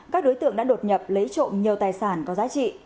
các đối tượng đã đột nhập lấy trộm nhiều tài sản có giá trị